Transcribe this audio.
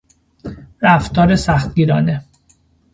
رفتار سختگیرانه